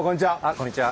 こんにちは。